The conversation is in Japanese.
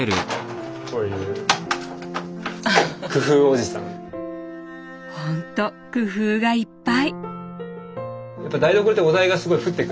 こういうほんと工夫がいっぱい！